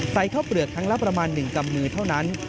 ข้าวเปลือกครั้งละประมาณ๑กำมือเท่านั้น